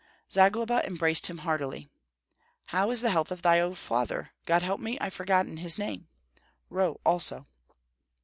Zagloba embraced him heartily. "How is the health of thy old father? God help me, I've forgotten his name." "Roh, also."